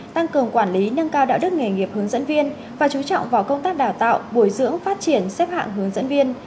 tăng cường quản lý nâng cao đạo đức nghề nghiệp hướng dẫn viên và chú trọng vào công tác đào tạo bồi dưỡng phát triển xếp hạng hướng dẫn viên